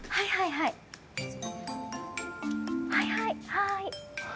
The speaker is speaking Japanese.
はいはいはい。